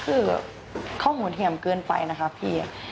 คือเขาหมดเหงี่ยมเกินไปนะครับพี่